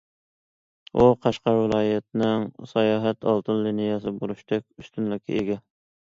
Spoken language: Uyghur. ئۇ قەشقەر ۋىلايىتىنىڭ ساياھەت ئالتۇن لىنىيەسى بولۇشتەك ئۈستۈنلۈككە ئىگە.